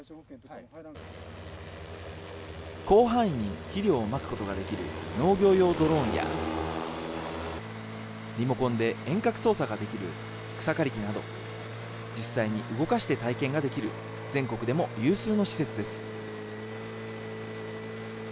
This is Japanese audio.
広範囲に肥料をまくことができる農業用ドローンや、リモコンで遠隔操作ができる草刈り機など、実際に動かして体験ができる全国でも有数の施設です。